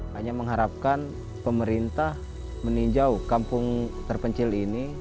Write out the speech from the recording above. hanya mengharapkan pemerintah meninjau kampung terpencil ini